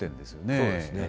そうですね。